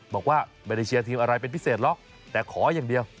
บอกว่าไม่ได้เชียร์ทีมอะไรเป็นพิเศษหรอกแต่ขออย่างเดียว